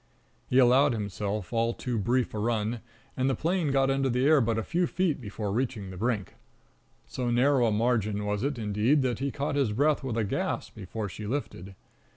He allowed himself all too brief a run, and the plane got into the air but a few feet before reaching the brink. So narrow a margin was it, indeed, that he caught his breath with a gasp before she lifted.